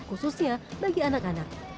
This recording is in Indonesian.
khususnya bagi anak anak